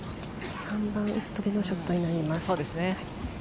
３番ウッドでのショットになります。